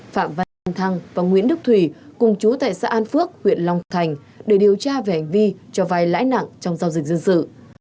phạm văn an thăng và nguyễn đức thủy cùng chú tại xã an phước huyện long thành để điều tra về hành vi cho vai lãi nặng trong giao dịch dân sự